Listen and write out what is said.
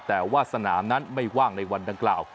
แต่ว่าสนามนั้นไม่ว่างในวันดังกล่าว